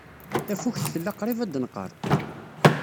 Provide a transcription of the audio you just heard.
Tafukt tella qrib ad d-tenqer.